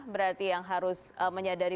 berarti yang harus menyadari